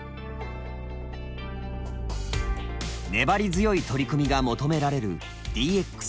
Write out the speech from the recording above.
粘り強い取り組みが求められるＤＸ。